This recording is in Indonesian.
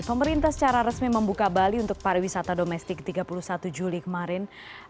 pemerintah secara resmi membuka bali untuk pariwisata domestik tiga puluh satu juli kemarin